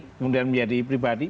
kemudian menjadi pribadi